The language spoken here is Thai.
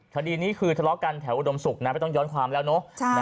คดีนี้คือทะเลาะกันแถวอุดมศุกร์นะไม่ต้องย้อนความแล้วเนอะ